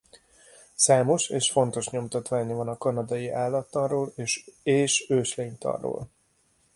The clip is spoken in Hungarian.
Számos és fontos nyomtatványa van a kanadai állattanról és őslénytanról.